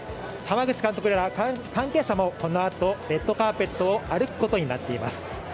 濱口監督らや関係者もこのあとレッドカーペットを歩くことになっています。